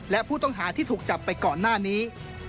และผู้ต้องหาที่ถูกจับไปก่อนหน้านี้